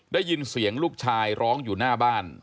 ได้ยินเสียงลูกชายร้องอยู่หน้าบ้าน